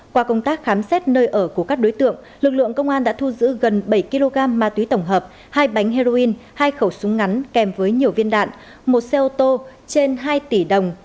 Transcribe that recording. qua công tác khám xét nơi ở của các đối tượng lực lượng công an đã thu giữ gần bảy kg ma túy tổng hợp hai bánh heroin hai khẩu súng ngắn kèm với nhiều viên đạn một xe ô tô trên hai tỷ đồng